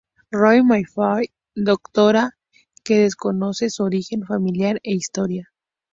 Rowan Mayfair: Doctora, que desconoce su origen familiar e historia.